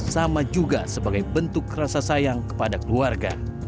sama juga sebagai bentuk rasa sayang kepada keluarga